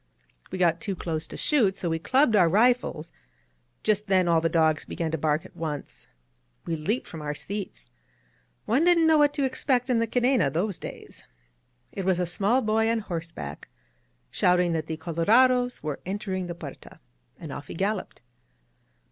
We got too close to shoot, so we clubbed our rifles ^" 61 INSURGENT MEXICO Just then all the dogs began to bark at once. We leaped from our seats. One didn't know what to ex pect in the Cadena those days. It was a small boy on horseback, shouting that the colorados were enter ing the Puerta — and off he galloped.